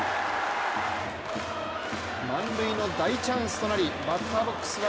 満塁の大チャンスとなりバッターボックスは